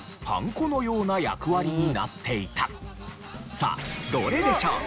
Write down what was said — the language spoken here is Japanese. さあどれでしょう？